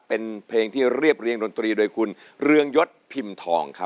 เป็นเพลงที่เรียบเรียงดนตรีโดยคุณเรืองยศพิมพ์ทองครับ